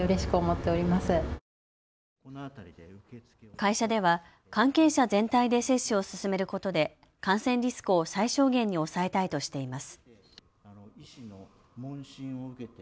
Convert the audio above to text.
会社では関係者全体で接種を進めることで感染リスクを最小限に抑えたいとしています。